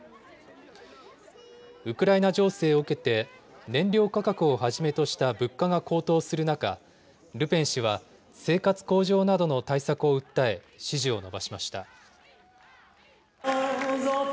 ウクライナ情勢を受けて、燃料価格をはじめとした物価が高騰する中、ルペン氏は、生活向上などの対策を訴え、支持を伸ばしました。